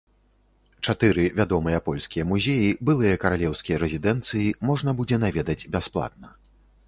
Чатыры вядомыя польскія музеі, былыя каралеўскія рэзідэнцыі, можна будзе наведаць бясплатна.